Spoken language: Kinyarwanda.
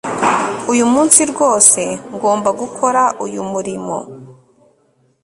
Uyu munsi rwose ngomba gukora uyu murimo